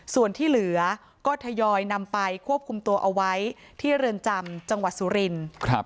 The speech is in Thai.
ส่วนที่เหลือก็ทยอยนำไปควบคุมตัวเอาไว้ที่เรือนจำจังหวัดสุรินทร์